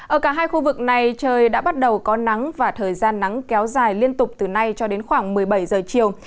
ở cả hai khu vực này trời đã bắt đầu có nắng và thời gian nắng kéo dài liên tục từ nay cho đến khoảng một mươi bảy giờ chiều